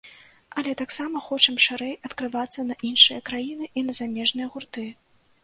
Але таксама хочам шырэй адкрывацца на іншыя краіны і на замежныя гурты.